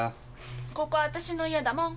ここ私の家だもん。